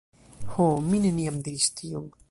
Ho, mi neniam diris tion.